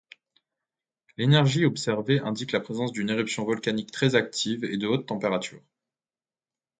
L'énergie observée indique la présence d'une éruption volcanique très active et de haute température.